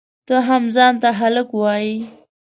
ته هم ځان ته هلک وایئ؟!